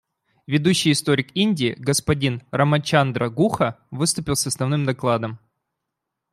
Ведущий историк Индии, господин Рамачандра Гуха, выступил с основным докладом.